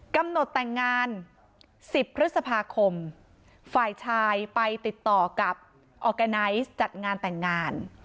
กำหนดแต่งงาน๑๐พฤษภาคมฝ่ายชายไปติดต่อกับออร์แกไนท์จัดงานแต่งงาน